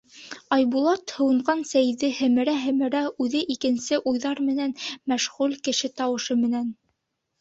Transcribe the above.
Айбулат, һыуынған сәйҙе һемерә-һемерә, үҙе икенсе уйҙар менән мәшғүл кеше тауышы менән: